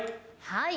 はい。